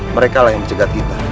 mereka lah yang dicegat kita